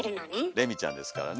れみちゃんですからね。